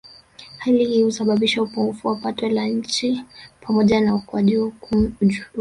Hali hii husababisha upungufu wa pato la nchi pamoja na wa ukuaji wa uchumi